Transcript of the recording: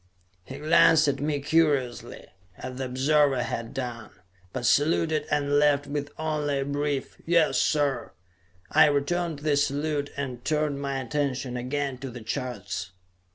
He glanced at me curiously, as the observer had done, but saluted and left with only a brief, "Yes, sir!" I returned the salute and turned my attention again to the charts.